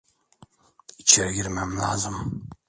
İçeri girmem lazım.